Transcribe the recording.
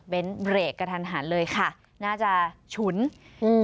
เป็นเบรกกระทันหันเลยค่ะน่าจะฉุนอืม